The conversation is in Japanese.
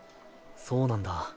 そうなんだ。